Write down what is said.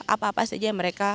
apa apa saja mereka